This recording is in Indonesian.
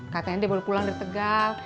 katanya dia baru pulang dari tegal